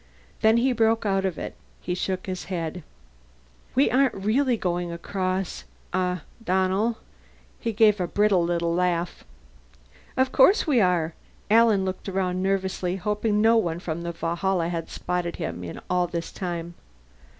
Then he broke out of it. He shook his head. "We aren't really going across huh, Donnell?" He gave a brittle little laugh. "Of course we are!" Alan looked around nervously, hoping no one from the Valhalla had spotted him in all this time.